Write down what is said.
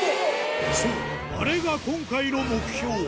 そうあれが今回の目標